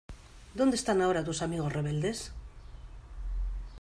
¿ Dónde están ahora tus amigos rebeldes?